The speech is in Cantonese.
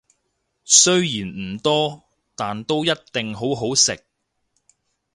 雖然唔多，但都一定好好食